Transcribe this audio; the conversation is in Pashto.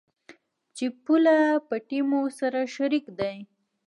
چې پوله، پټي مو سره شريک دي.